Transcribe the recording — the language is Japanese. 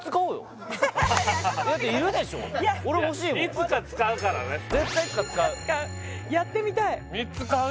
いつか使うからねやってみたい３つ買う？